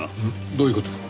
どういう事だ？